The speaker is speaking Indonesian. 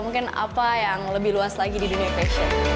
mungkin karena aku suka fashion aku pengen yang ada di dunia fashion lagi mungkin